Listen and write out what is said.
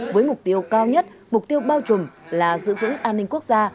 với mục tiêu cao nhất mục tiêu bao trùm là giữ vững an ninh quốc gia